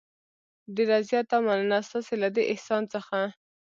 ډېره زیاته مننه ستاسې له دې احسان څخه.